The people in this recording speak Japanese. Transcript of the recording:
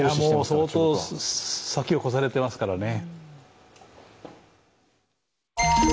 相当、先を越されてますからね。